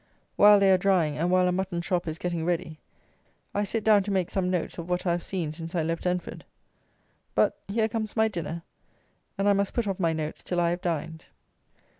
While they are drying, and while a mutton chop is getting ready, I sit down to make some notes of what I have seen since I left Enford ... but, here comes my dinner: and I must put off my notes till I have dined.